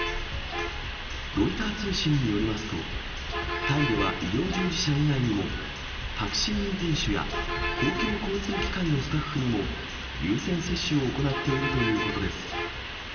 ロイター通信によりますと、タイでは、医療従事者以外にも、タクシー運転手や公共交通機関のスタッフにも、優先接種を行っているということです。